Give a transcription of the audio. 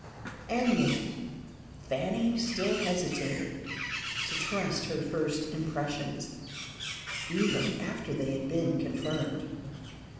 And yet Fanny still hesitated to trust her first impressions, even after they had been confirmed.